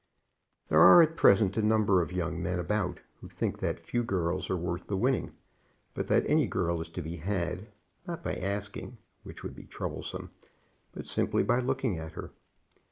There are at present a number of young men about who think that few girls are worth the winning, but that any girl is to be had, not by asking, which would be troublesome, but simply by looking at her.